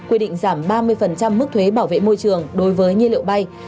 quy định giảm ba mươi mức thuế bảo vệ môi trường đối với nhiên liệu bay